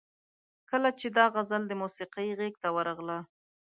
کله چې دا غزل د موسیقۍ غیږ ته ورغله.